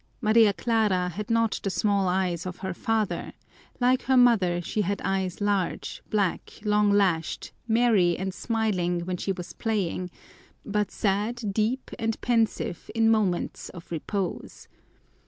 Maria Clara had not the small eyes of her father; like her mother, she had eyes large, black, long lashed, merry and smiling when she was playing but sad, deep, and pensive in moments of repose.